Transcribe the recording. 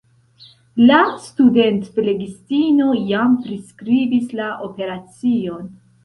La studentflegistino jam priskribis la operacion.